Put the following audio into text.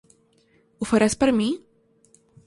Ho faràs per mi?